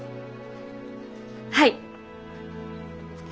はい！